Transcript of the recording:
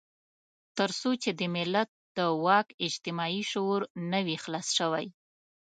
تر څو چې د ملت د واک اجتماعي شعور نه وي خلاص شوی.